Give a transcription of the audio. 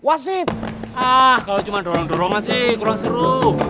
ah kalau cuma dorong dorongan sih kurang seru